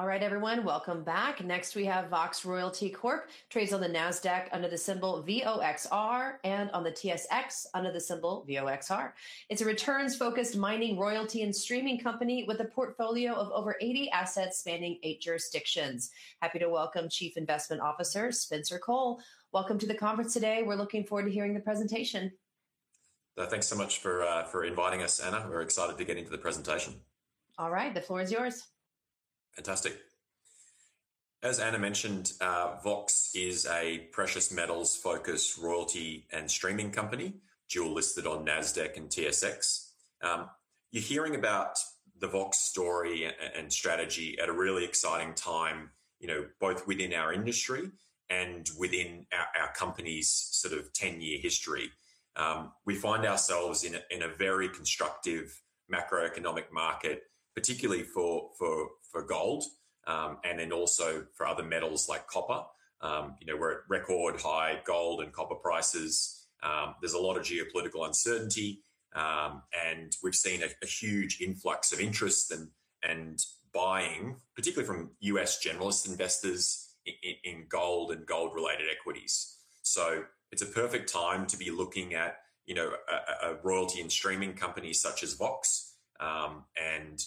All right, everyone, welcome back. Next, we have Vox Royalty Corp, trades on the NASDAQ under the symbol VOXR, and on the TSX under the symbol VOXR. It's a returns-focused mining, royalty, and streaming company with a portfolio of over 80 assets spanning eight jurisdictions. Happy to welcome Chief Investment Officer Spencer Cole. Welcome to the conference today. We're looking forward to hearing the presentation. Thanks so much for inviting us, Ana. We're excited to get into the presentation. All right, the floor is yours. Fantastic. As Ana mentioned, Vox is a precious metals-focused royalty and streaming company, dual-listed on NASDAQ and TSX. You're hearing about the Vox story and strategy at a really exciting time, both within our industry and within our company's sort of 10-year history. We find ourselves in a very constructive macroeconomic market, particularly for gold, and then also for other metals like copper. We're at record high gold and copper prices. There's a lot of geopolitical uncertainty, and we've seen a huge influx of interest and buying, particularly from U.S. generalist investors in gold and gold-related equities, so it's a perfect time to be looking at a royalty and streaming company such as Vox, and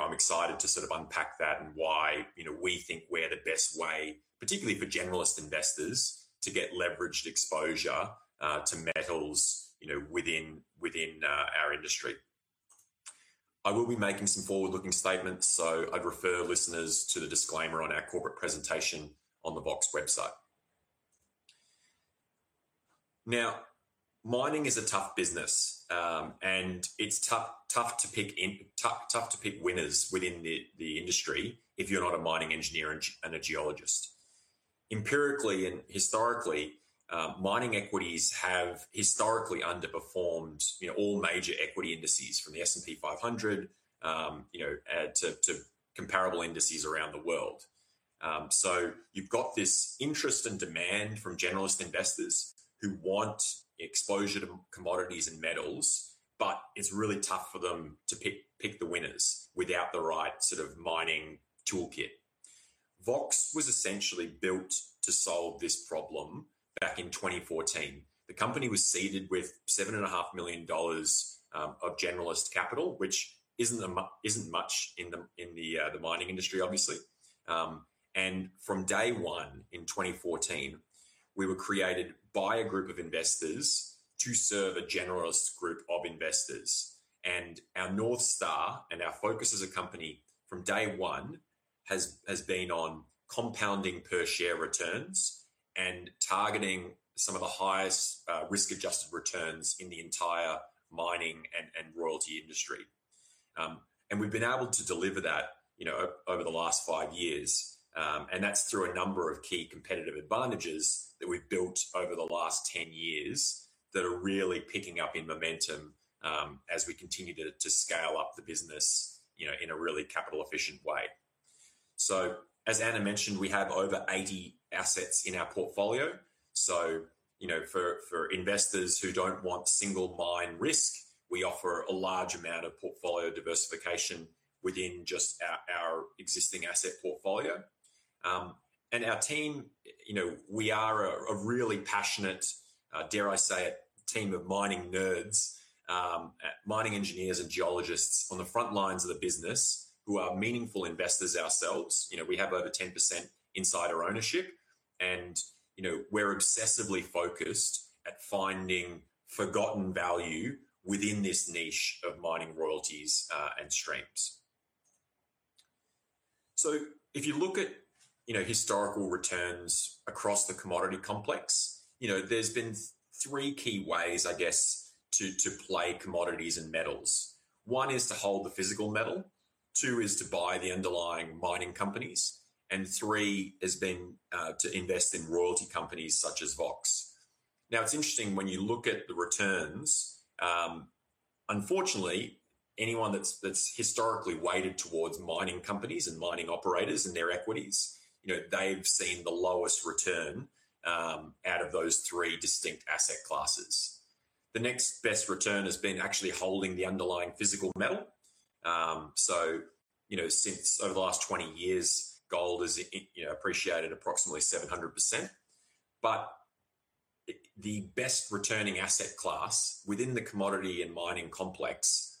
I'm excited to sort of unpack that and why we think we're the best way, particularly for generalist investors, to get leveraged exposure to metals within our industry. I will be making some forward-looking statements, so I'd refer listeners to the disclaimer on our corporate presentation on the Vox website. Now, mining is a tough business, and it's tough to pick winners within the industry if you're not a mining engineer and a geologist. Empirically and historically, mining equities have historically underperformed all major equity indices from the S&P 500 to comparable indices around the world. So you've got this interest and demand from generalist investors who want exposure to commodities and metals, but it's really tough for them to pick the winners without the right sort of mining toolkit. Vox was essentially built to solve this problem back in 2014. The company was seeded with $7.5 million of generalist capital, which isn't much in the mining industry, obviously. From day one in 2014, we were created by a group of investors to serve a generalist group of investors. Our North Star and our focus as a company from day one has been on compounding per-share returns and targeting some of the highest risk-adjusted returns in the entire mining and royalty industry. We've been able to deliver that over the last five years. That's through a number of key competitive advantages that we've built over the last 10 years that are really picking up in momentum as we continue to scale up the business in a really capital-efficient way. As Ana mentioned, we have over 80 assets in our portfolio. For investors who don't want single mine risk, we offer a large amount of portfolio diversification within just our existing asset portfolio. And our team, we are a really passionate, dare I say it, team of mining nerds, mining engineers, and geologists on the front lines of the business who are meaningful investors ourselves. We have over 10% insider ownership, and we're excessively focused at finding forgotten value within this niche of mining royalties and streams. So if you look at historical returns across the commodity complex, there's been three key ways, I guess, to play commodities and metals. One is to hold the physical metal. Two is to buy the underlying mining companies. And three has been to invest in royalty companies such as Vox. Now, it's interesting when you look at the returns. Unfortunately, anyone that's historically weighted towards mining companies and mining operators and their equities, they've seen the lowest return out of those three distinct asset classes. The next best return has been actually holding the underlying physical metal. So since over the last 20 years, gold has appreciated approximately 700%. But the best returning asset class within the commodity and mining complex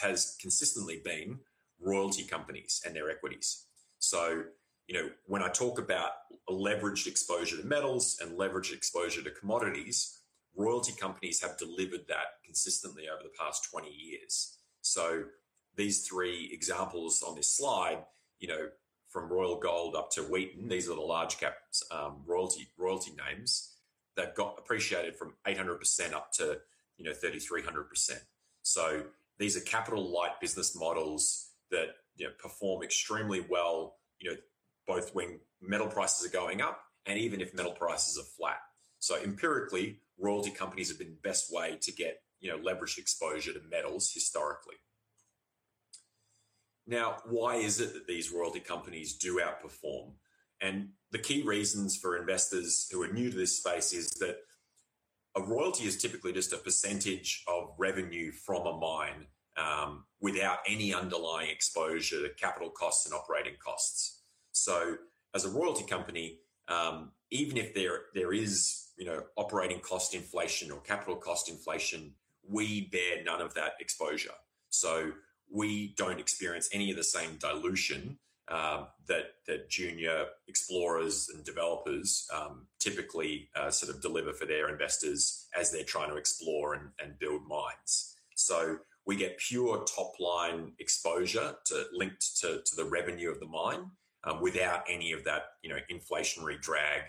has consistently been royalty companies and their equities. So when I talk about leveraged exposure to metals and leveraged exposure to commodities, royalty companies have delivered that consistently over the past 20 years. So these three examples on this slide, from Royal Gold up to Wheaton, these are the large cap royalty names that got appreciated from 800% up to 3,300%. So these are capital-light business models that perform extremely well both when metal prices are going up and even if metal prices are flat. So empirically, royalty companies have been the best way to get leveraged exposure to metals historically. Now, why is it that these royalty companies do outperform? The key reasons for investors who are new to this space is that a royalty is typically just a percentage of revenue from a mine without any underlying exposure to capital costs and operating costs. So as a royalty company, even if there is operating cost inflation or capital cost inflation, we bear none of that exposure. So we don't experience any of the same dilution that junior explorers and developers typically sort of deliver for their investors as they're trying to explore and build mines. So we get pure top-line exposure linked to the revenue of the mine without any of that inflationary drag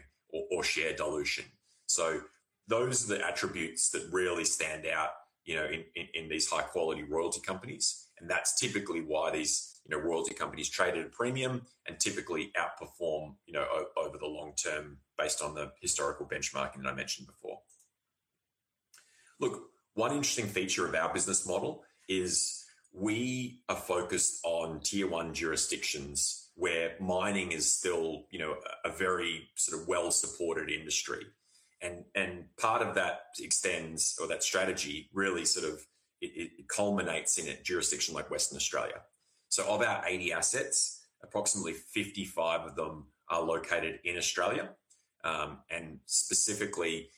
or share dilution. So those are the attributes that really stand out in these high-quality royalty companies. And that's typically why these royalty companies trade at a premium and typically outperform over the long term based on the historical benchmarking that I mentioned before. Look, one interesting feature of our business model is we are focused on tier-one jurisdictions where mining is still a very sort of well-supported industry, and part of that extends or that strategy really sort of culminates in a jurisdiction like Western Australia, so of our 80 assets, approximately 55 of them are located in Australia, and specifically,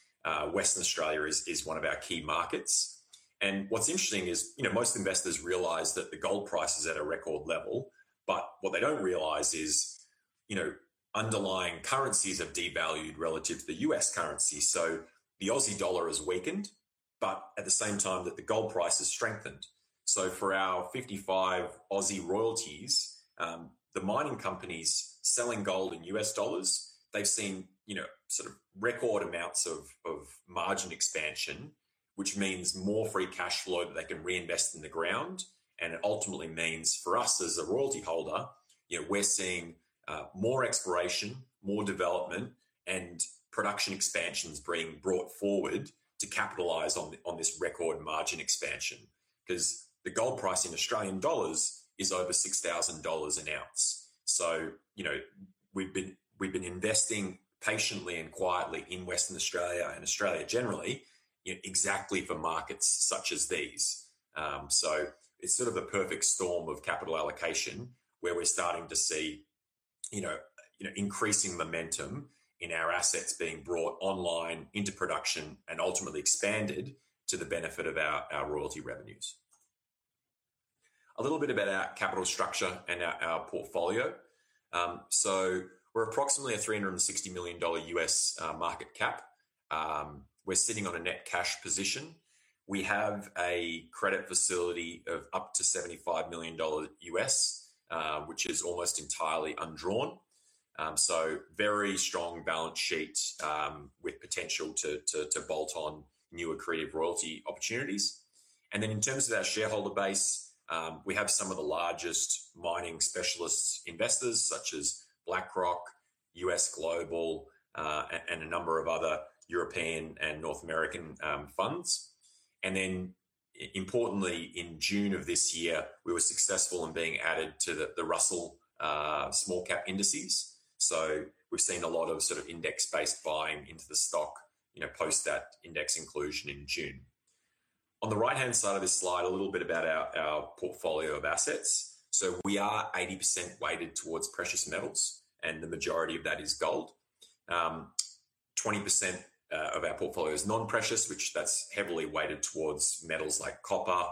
Western Australia is one of our key markets, and what's interesting is most investors realize that the gold price is at a record level, but what they don't realize is underlying currencies have devalued relative to the U.S. currency, so the Aussie dollar has weakened, but at the same time, the gold price has strengthened, so for our 55 Aussie royalties, the mining companies selling gold in U.S. dollars, they've seen sort of record amounts of margin expansion, which means more free cash flow that they can reinvest in the ground. And it ultimately means for us as a royalty holder, we're seeing more exploration, more development, and production expansions being brought forward to capitalize on this record margin expansion. Because the gold price in Australian dollars is over $6,000 an ounce. So we've been investing patiently and quietly in Western Australia and Australia generally exactly for markets such as these. So it's sort of a perfect storm of capital allocation where we're starting to see increasing momentum in our assets being brought online into production and ultimately expanded to the benefit of our royalty revenues. A little bit about our capital structure and our portfolio. So we're approximately a $360 million U.S. market cap. We're sitting on a net cash position. We have a credit facility of up to US$75 million, which is almost entirely undrawn. Very strong balance sheet with potential to bolt on new accretive royalty opportunities. And then in terms of our shareholder base, we have some of the largest mining specialist investors such as BlackRock, U.S. Global, and a number of other European and North American funds. And then importantly, in June of this year, we were successful in being added to the Russell small-cap indices. So we've seen a lot of sort of index-based buying into the stock post that index inclusion in June. On the right-hand side of this slide, a little bit about our portfolio of assets. So we are 80% weighted towards precious metals, and the majority of that is gold. 20% of our portfolio is non-precious, which that's heavily weighted towards metals like copper.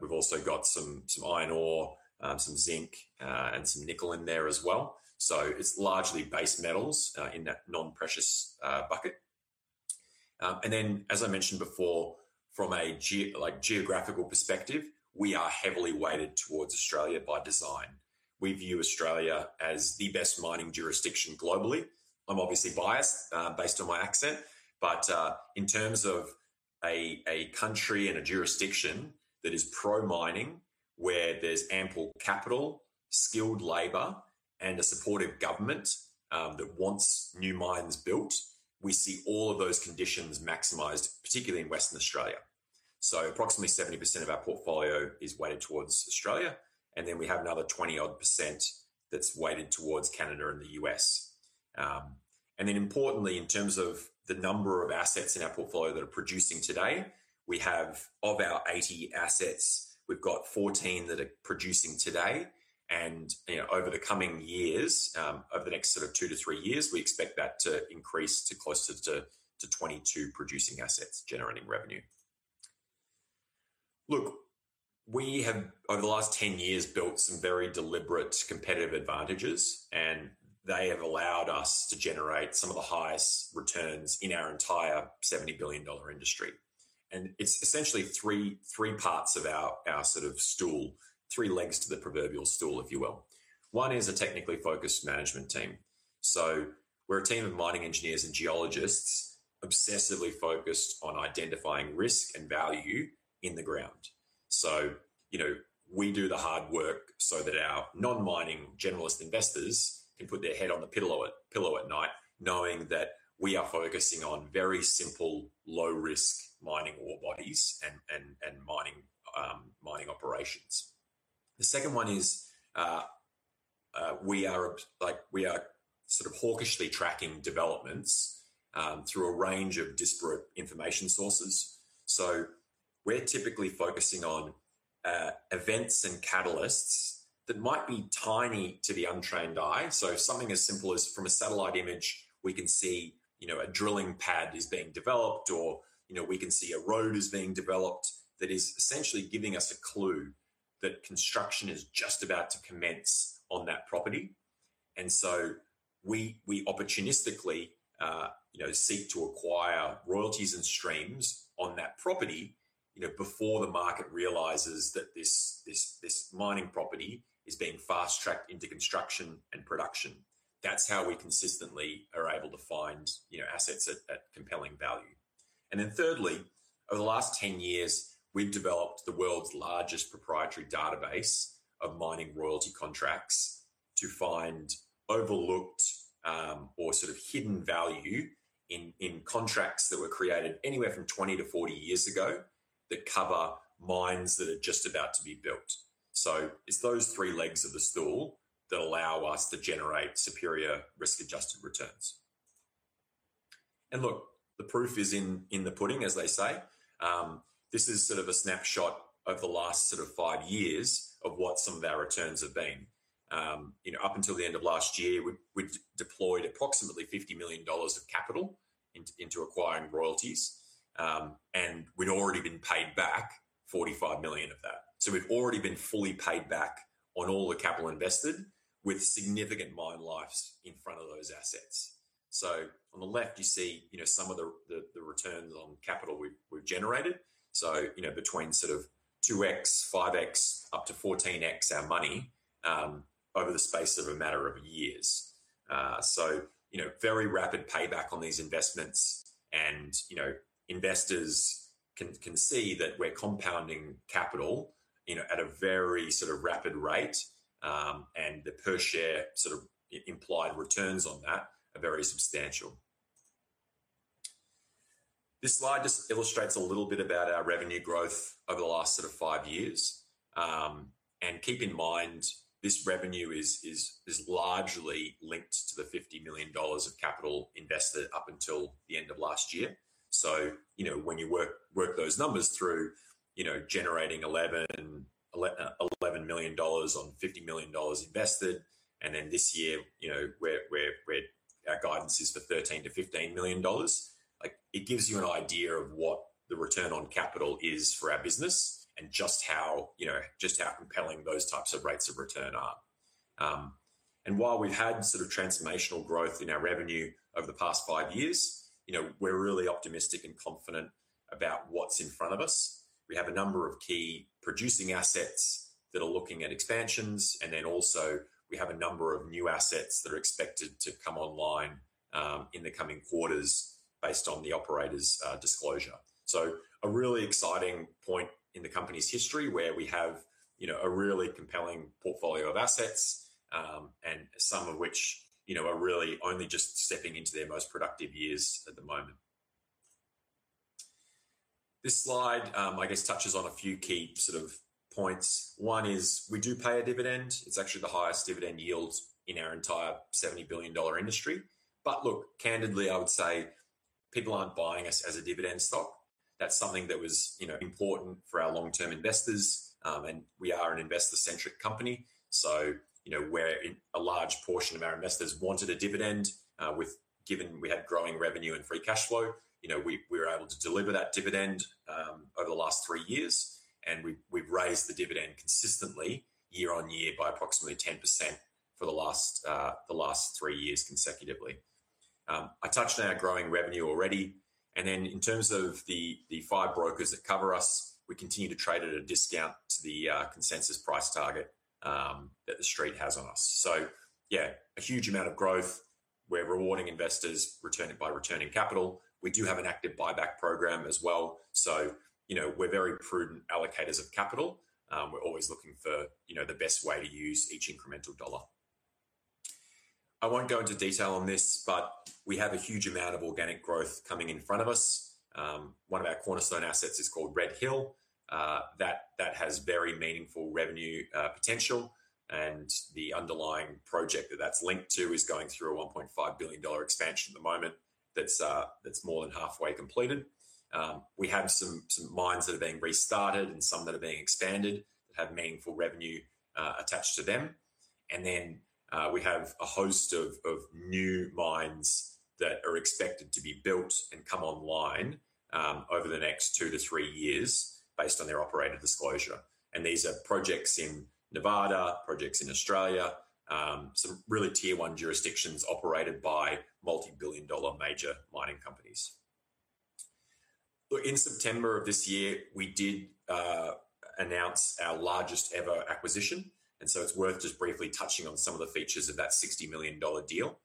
We've also got some iron ore, some zinc, and some nickel in there as well. It's largely base metals in that non-precious bucket. And then, as I mentioned before, from a geographical perspective, we are heavily weighted towards Australia by design. We view Australia as the best mining jurisdiction globally. I'm obviously biased based on my accent, but in terms of a country and a jurisdiction that is pro-mining, where there's ample capital, skilled labor, and a supportive government that wants new mines built, we see all of those conditions maximized, particularly in Western Australia. So approximately 70% of our portfolio is weighted towards Australia. And then we have another 20-odd percent that's weighted towards Canada and the U.S. And then importantly, in terms of the number of assets in our portfolio that are producing today, we have, of our 80 assets, we've got 14 that are producing today. Over the coming years, over the next sort of two to three years, we expect that to increase to close to 22 producing assets generating revenue. Look, we have, over the last 10 years, built some very deliberate competitive advantages, and they have allowed us to generate some of the highest returns in our entire $70 billion industry. It's essentially three parts of our sort of stool, three legs to the proverbial stool, if you will. One is a technically focused management team. So we're a team of mining engineers and geologists obsessively focused on identifying risk and value in the ground. So we do the hard work so that our non-mining generalist investors can put their head on the pillow at night knowing that we are focusing on very simple, low-risk mining ore bodies and mining operations. The second one is we are sort of hawkishly tracking developments through a range of disparate information sources. So we're typically focusing on events and catalysts that might be tiny to the untrained eye. So something as simple as from a satellite image, we can see a drilling pad is being developed, or we can see a road is being developed that is essentially giving us a clue that construction is just about to commence on that property. And so we opportunistically seek to acquire royalties and streams on that property before the market realizes that this mining property is being fast-tracked into construction and production. That's how we consistently are able to find assets at compelling value. Then, thirdly, over the last 10 years, we've developed the world's largest proprietary database of mining royalty contracts to find overlooked or sort of hidden value in contracts that were created anywhere from 20-40 years ago that cover mines that are just about to be built. So it's those three legs of the stool that allow us to generate superior risk-adjusted returns. Look, the proof is in the pudding, as they say. This is sort of a snapshot of the last sort of five years of what some of our returns have been. Up until the end of last year, we deployed approximately $50 million of capital into acquiring royalties. We've already been paid back $45 million of that. We've already been fully paid back on all the capital invested with significant mine lives in front of those assets. On the left, you see some of the returns on capital we've generated. Between sort of 2x, 5x, up to 14x our money over the space of a matter of years. Very rapid payback on these investments. Investors can see that we're compounding capital at a very sort of rapid rate. The per-share sort of implied returns on that are very substantial. This slide just illustrates a little bit about our revenue growth over the last sort of five years. Keep in mind, this revenue is largely linked to the $50 million of capital invested up until the end of last year. When you work those numbers through, generating $11 million on $50 million invested, and then this year our guidance is for $13-$15 million, it gives you an idea of what the return on capital is for our business and just how compelling those types of rates of return are. And while we've had sort of transformational growth in our revenue over the past five years, we're really optimistic and confident about what's in front of us. We have a number of key producing assets that are looking at expansions. And then also we have a number of new assets that are expected to come online in the coming quarters based on the operator's disclosure. A really exciting point in the company's history where we have a really compelling portfolio of assets, and some of which are really only just stepping into their most productive years at the moment. This slide, I guess, touches on a few key sort of points. One is we do pay a dividend. It's actually the highest dividend yield in our entire $70 billion industry. But look, candidly, I would say people aren't buying us as a dividend stock. That's something that was important for our long-term investors. And we are an investor-centric company. So where a large portion of our investors wanted a dividend, given we had growing revenue and free cash flow, we were able to deliver that dividend over the last three years. And we've raised the dividend consistently year on year by approximately 10% for the last three years consecutively. I touched on our growing revenue already, and then in terms of the five brokers that cover us, we continue to trade at a discount to the consensus price target that the street has on us, so yeah, a huge amount of growth. We're rewarding investors by returning capital. We do have an active buyback program as well, so we're very prudent allocators of capital. We're always looking for the best way to use each incremental dollar. I won't go into detail on this, but we have a huge amount of organic growth coming in front of us. One of our cornerstone assets is called Red Hill. That has very meaningful revenue potential, and the underlying project that that's linked to is going through a $1.5 billion expansion at the moment that's more than halfway completed. We have some mines that are being restarted and some that are being expanded that have meaningful revenue attached to them, and then we have a host of new mines that are expected to be built and come online over the next two to three years based on their operator disclosure, and these are projects in Nevada, projects in Australia, some really tier-one jurisdictions operated by multi-billion dollar major mining companies. Look, in September of this year, we did announce our largest ever acquisition, and so it's worth just briefly touching on some of the features of that $60 million deal,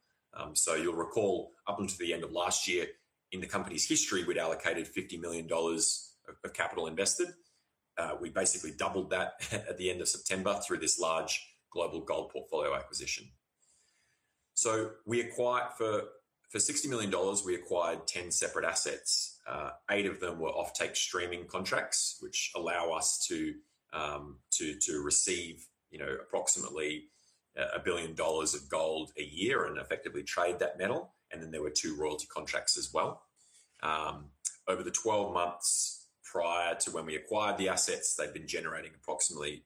so you'll recall up until the end of last year, in the company's history, we'd allocated $50 million of capital invested. We basically doubled that at the end of September through this large global gold portfolio acquisition, so for $60 million, we acquired 10 separate assets. Eight of them were offtake streaming contracts, which allow us to receive approximately $1 billion of gold a year and effectively trade that metal. And then there were two royalty contracts as well. Over the 12 months prior to when we acquired the assets, they've been generating approximately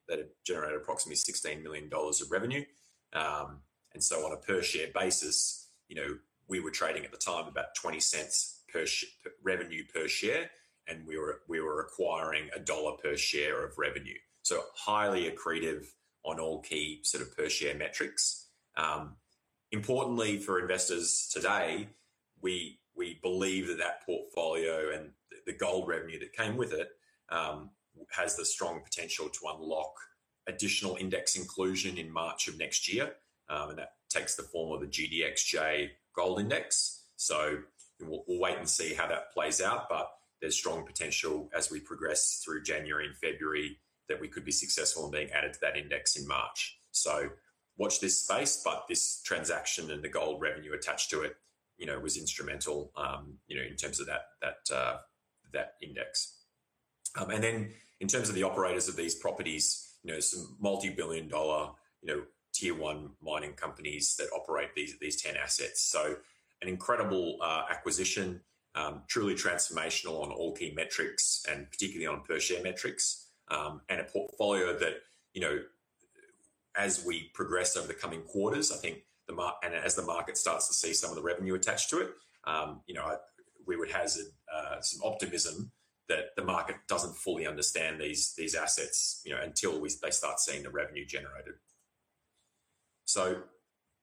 $16 million of revenue. And so on a per-share basis, we were trading at the time about $0.20 revenue per share, and we were acquiring $1 per share of revenue. So highly accretive on all key sort of per-share metrics. Importantly, for investors today, we believe that that portfolio and the gold revenue that came with it has the strong potential to unlock additional index inclusion in March of next year. And that takes the form of the GDXJ Gold Index. We'll wait and see how that plays out, but there's strong potential as we progress through January and February that we could be successful in being added to that index in March. Watch this space, but this transaction and the gold revenue attached to it was instrumental in terms of that index. Then in terms of the operators of these properties, some multi-billion dollar tier-one mining companies that operate these 10 assets. An incredible acquisition, truly transformational on all key metrics, and particularly on per-share metrics. A portfolio that, as we progress over the coming quarters, I think, and as the market starts to see some of the revenue attached to it, we would hazard some optimism that the market doesn't fully understand these assets until they start seeing the revenue generated.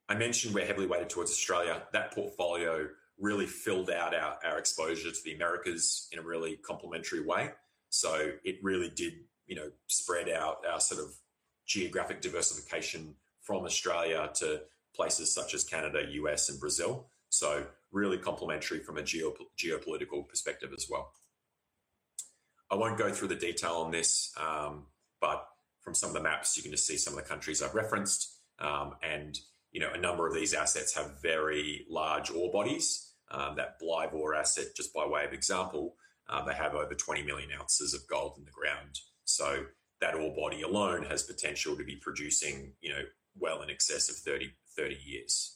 I mentioned we're heavily weighted towards Australia. That portfolio really filled out our exposure to the Americas in a really complementary way, so it really did spread out our sort of geographic diversification from Australia to places such as Canada, U.S., and Brazil, so really complementary from a geopolitical perspective as well. I won't go through the detail on this, but from some of the maps, you can just see some of the countries I've referenced, and a number of these assets have very large ore bodies. That Blyvoor asset, just by way of example, they have over 20 million ounces of gold in the ground. So that ore body alone has potential to be producing well in excess of 30 years.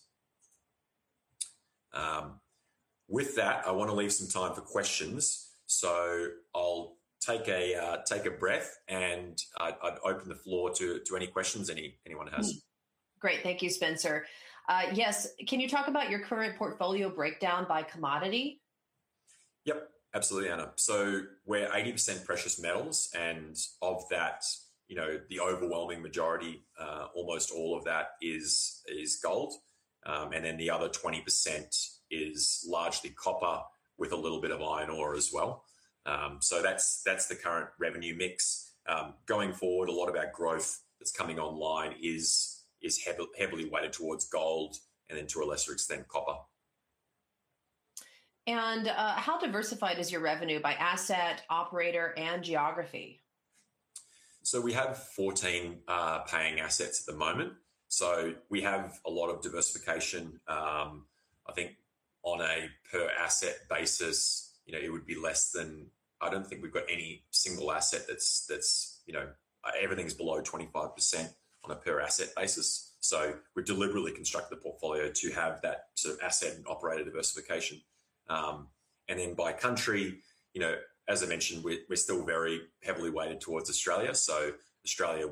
With that, I want to leave some time for questions, so I'll take a breath, and I'll open the floor to any questions anyone has. Great. Thank you, Spencer. Yes, can you talk about your current portfolio breakdown by commodity? Yep, absolutely, Ana. So we're 80% precious metals, and of that, the overwhelming majority, almost all of that is gold. And then the other 20% is largely copper with a little bit of iron ore as well. So that's the current revenue mix. Going forward, a lot of our growth that's coming online is heavily weighted towards gold and then to a lesser extent, copper. And how diversified is your revenue by asset, operator, and geography? So we have 14 paying assets at the moment. So we have a lot of diversification. I think on a per-asset basis, it would be less than 25%. I don't think we've got any single asset that's over 25%. Everything's below 25% on a per-asset basis. So we deliberately construct the portfolio to have that sort of asset and operator diversification. Then by country, as I mentioned, we're still very heavily weighted towards Australia. Australia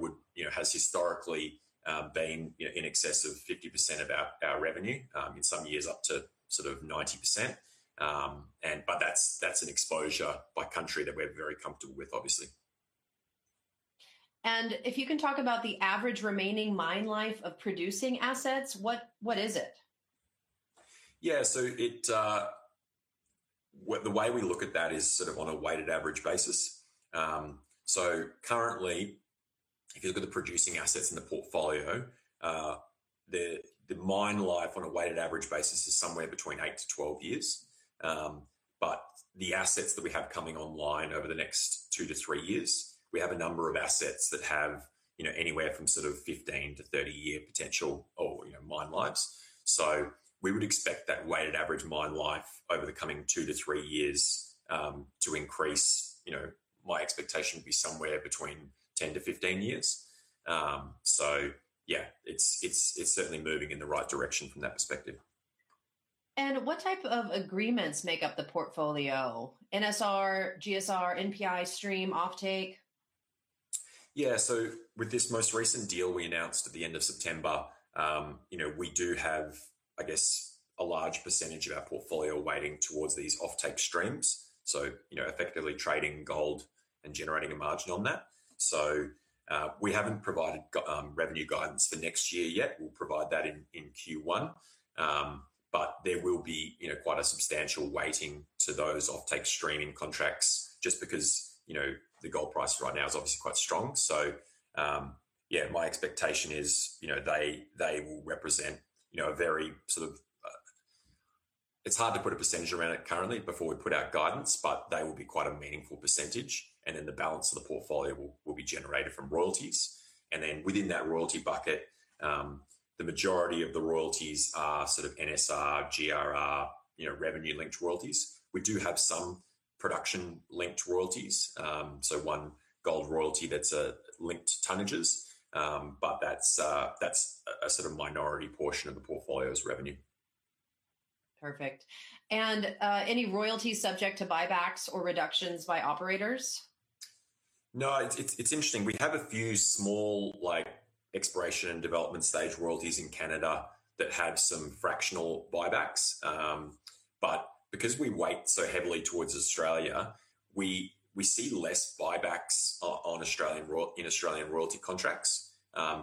has historically been in excess of 50% of our revenue, in some years up to sort of 90%. That's an exposure by country that we're very comfortable with, obviously. If you can talk about the average remaining mine life of producing assets, what is it? Yeah, the way we look at that is sort of on a weighted average basis. Currently, if you look at the producing assets in the portfolio, the mine life on a weighted average basis is somewhere between 8-12 years. The assets that we have coming online over the next two to three years, we have a number of assets that have anywhere from sort of 15-30-year potential or mine lives. So we would expect that weighted average mine life over the coming two to three years to increase. My expectation would be somewhere between 10 to 15 years. So yeah, it's certainly moving in the right direction from that perspective. And what type of agreements make up the portfolio? NSR, GSR, NPI, stream, offtake? Yeah, so with this most recent deal we announced at the end of September, we do have, I guess, a large percentage of our portfolio weighted towards these offtake streams. So effectively trading gold and generating a margin on that. So we haven't provided revenue guidance for next year yet. We'll provide that in Q1. But there will be quite a substantial weighted to those offtake streaming contracts just because the gold price right now is obviously quite strong. So yeah, my expectation is they will represent a very sort of, it's hard to put a percentage around it currently before we put out guidance, but they will be quite a meaningful percentage. And then the balance of the portfolio will be generated from royalties. And then within that royalty bucket, the majority of the royalties are sort of NSR, GRR, revenue-linked royalties. We do have some production-linked royalties. So one gold royalty that's linked to tonnages, but that's a sort of minority portion of the portfolio's revenue. Perfect. And any royalties subject to buybacks or reductions by operators? No, it's interesting. We have a few small exploration and development stage royalties in Canada that had some fractional buybacks. But because we weigh so heavily towards Australia, we see less buybacks in Australian royalty contracts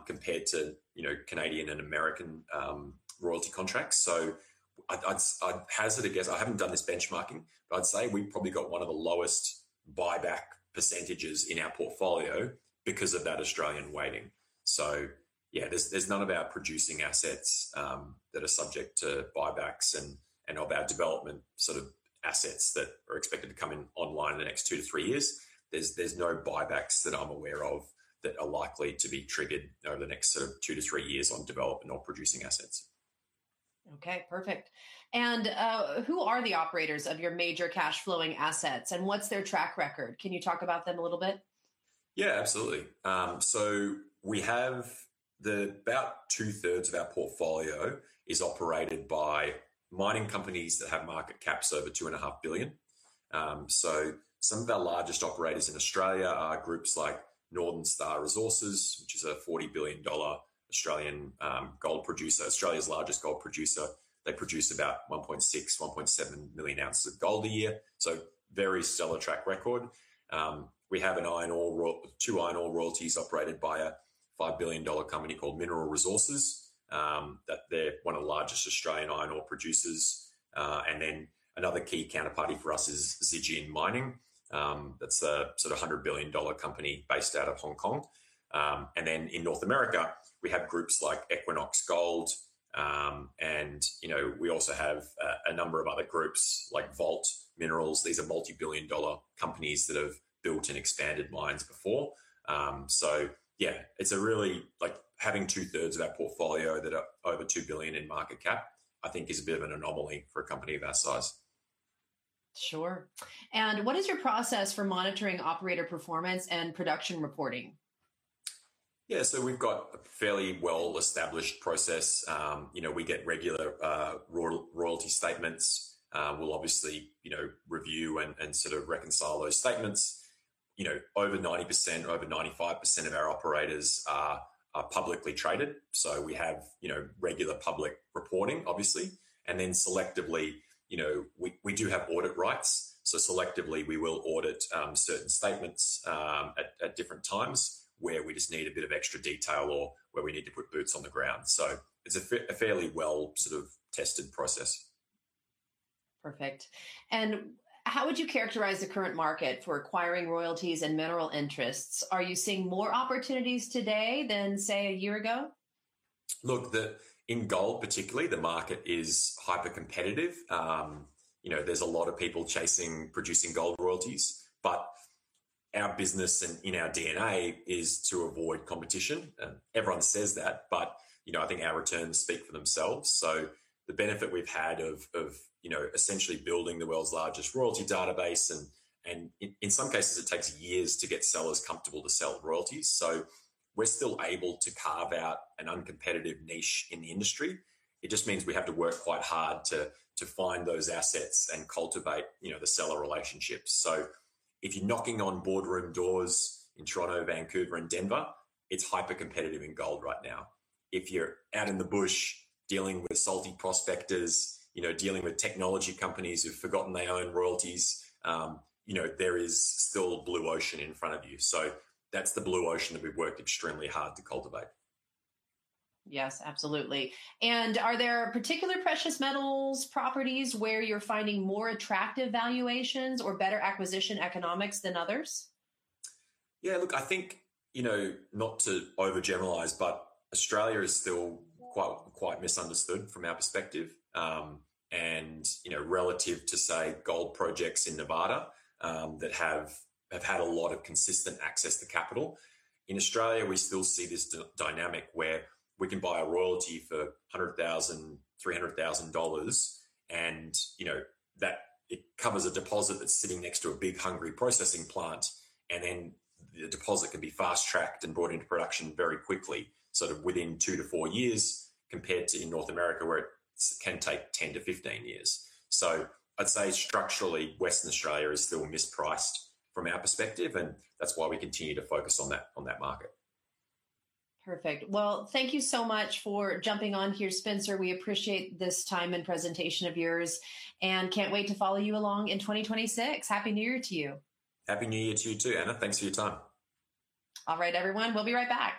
compared to Canadian and American royalty contracts. So I'd hazard, I guess, I haven't done this benchmarking, but I'd say we've probably got one of the lowest buyback percentages in our portfolio because of that Australian weighting. So yeah, there's none of our producing assets that are subject to buybacks and of our development sort of assets that are expected to come in online in the next two to three years. There's no buybacks that I'm aware of that are likely to be triggered over the next sort of two to three years on development or producing assets. Okay, perfect. And who are the operators of your major cash-flowing assets? And what's their track record? Can you talk about them a little bit? Yeah, absolutely. So we have about two-thirds of our portfolio is operated by mining companies that have market caps over two and a half billion. Some of our largest operators in Australia are groups like Northern Star Resources, which is a $40 billion Australian gold producer, Australia's largest gold producer. They produce about 1.6-1.7 million ounces of gold a year. Very stellar track record. We have two iron ore royalties operated by a $5 billion company called Mineral Resources. They're one of the largest Australian iron ore producers. Another key counterparty for us is Zijin Mining. That's a sort of $100 billion company based out of Hong Kong. In North America, we have groups like Equinox Gold. We also have a number of other groups like Vault Minerals. These are multi-billion dollar companies that have built and expanded mines before. So yeah, it's really having two-thirds of our portfolio that are over $2 billion in market cap, I think, is a bit of an anomaly for a company of our size. Sure. And what is your process for monitoring operator performance and production reporting? Yeah, so we've got a fairly well-established process. We get regular royalty statements. We'll obviously review and sort of reconcile those statements. Over 90%, over 95% of our operators are publicly traded. So we have regular public reporting, obviously. And then selectively, we do have audit rights. So selectively, we will audit certain statements at different times where we just need a bit of extra detail or where we need to put boots on the ground. So it's a fairly well sort of tested process. Perfect. And how would you characterize the current market for acquiring royalties and mineral interests? Are you seeing more opportunities today than, say, a year ago? Look, in gold, particularly, the market is hyper-competitive. There's a lot of people chasing producing gold royalties. But our business and in our DNA is to avoid competition. Everyone says that, but I think our returns speak for themselves. So the benefit we've had of essentially building the world's largest royalty database, and in some cases, it takes years to get sellers comfortable to sell royalties. So we're still able to carve out an uncompetitive niche in the industry. It just means we have to work quite hard to find those assets and cultivate the seller relationships. So if you're knocking on boardroom doors in Toronto, Vancouver, and Denver, it's hyper-competitive in gold right now. If you're out in the bush dealing with salty prospectors, dealing with technology companies who've forgotten their own royalties, there is still a blue ocean in front of you. So that's the blue ocean that we've worked extremely hard to cultivate. Yes, absolutely. And are there particular precious metals, properties where you're finding more attractive valuations or better acquisition economics than others? Yeah, look, I think, not to overgeneralize, but Australia is still quite misunderstood from our perspective. And relative to, say, gold projects in Nevada that have had a lot of consistent access to capital, in Australia, we still see this dynamic where we can buy a royalty for $100,000-$300,000, and it covers a deposit that's sitting next to a big hungry processing plant. And then the deposit can be fast-tracked and brought into production very quickly, sort of within two to four years, compared to in North America where it can take 10 to 15 years. So I'd say structurally, Western Australia is still mispriced from our perspective, and that's why we continue to focus on that market. Perfect. Well, thank you so much for jumping on here, Spencer. We appreciate this time and presentation of yours and can't wait to follow you along in 2026. Happy New Year to you. Happy New Year to you too, Ana. Thanks for your time. All right, everyone. We'll be right back.